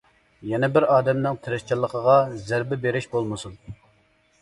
يەنى بىر ئادەمنىڭ تىرىشچانلىقىغا زەربە بېرىش بولمىسۇن!